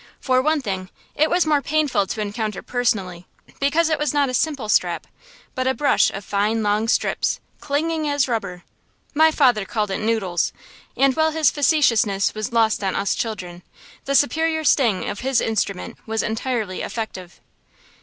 For one thing, it was more painful to encounter personally, because it was not a simple strap, but a bunch of fine long strips, clinging as rubber. My father called it noodles; and while his facetiousness was lost on us children, the superior sting of his instrument was entirely effective.